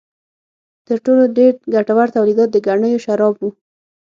تر ټولو ډېر ګټور تولیدات د ګنیو شراب و.